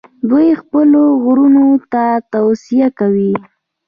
دوی خپلو غړو ته توصیه کوي.